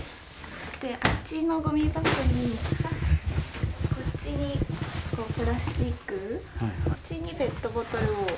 あっちのごみ箱に、こっちにプラスチック、こっちにペットボトルを。